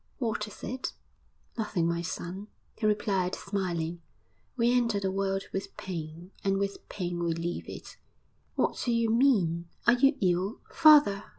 'What is it?' 'Nothing, my son,' he replied, smiling.... 'We enter the world with pain, and with pain we leave it!' 'What do you mean? Are you ill? Father!